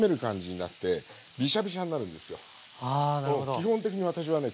基本的に私はね